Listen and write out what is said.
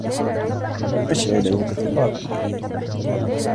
أشعل عود ثقاب.